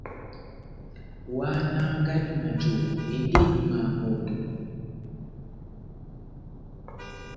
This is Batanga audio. Ohahánaha ngadi majohó, endi edúmaha moto !